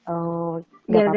oh gak apa apa lah